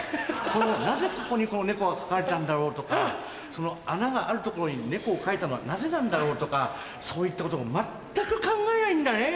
なぜここにこの猫が描かれたんだろうとか穴がある所に猫を描いたのはなぜなんだろうとかそういったことも全く考えないんだね。